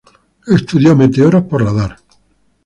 Estudió meteoros por radar.